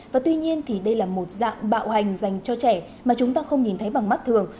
và tuy nhiên thì đây là một dạng bạo hành dành cho trẻ mà chúng ta không nhìn thấy bằng mắt thường